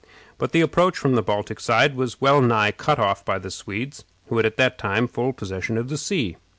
But the approach from the Baltic side was well nigh cut off by the Swedes, who had at that time full possession of the sea.